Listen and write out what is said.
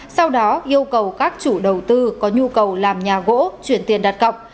sau đó yêu cầu các chủ đầu tư có nhu cầu làm nhà gỗ chuyển tiền đặt cọc